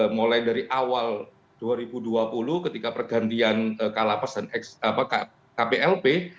mulai dari awal dua ribu dua puluh ketika pergantian kalapas dan kplp